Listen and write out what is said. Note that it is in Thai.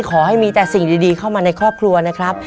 ขอให้มีแต่สิ่งดีเข้ามาในครอบครัวนะครับ